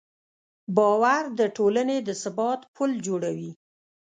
باور د ټولنې د ثبات پل جوړوي.